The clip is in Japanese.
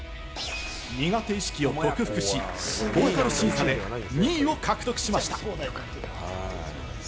苦手意識を克服し、ボーカル審査で２位を獲得しました。